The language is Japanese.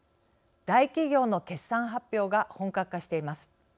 大企業の決算発表が本格化しています。